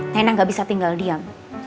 nenek gak bisa tinggal diam